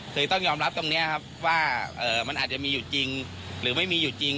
คือต้องยอมรับตรงนี้ครับว่ามันอาจจะมีอยู่จริงหรือไม่มีอยู่จริง